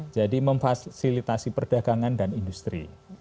jadi memfasilitasi perdagangan dan industri